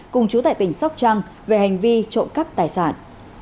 cùng chú tại tỉnh sóc trăng về hành vi trộm cắp tài sản